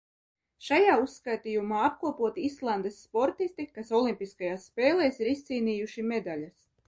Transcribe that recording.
Šajā uzskaitījumā apkopoti Islandes sportisti, kas olimpiskajās spēlēs ir izcīnījuši medaļas.